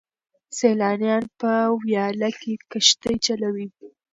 سیلانیان په ویاله کې کښتۍ چلوي.